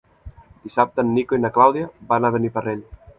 Dissabte en Nico i na Clàudia van a Beniparrell.